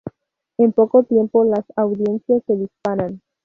En poco tiempo las audiencias se disparan.